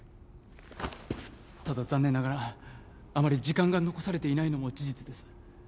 ただ残念ながらあまり時間が残されていないのも事実です